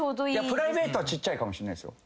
プライベートはちっちゃいかもしんないっすよ。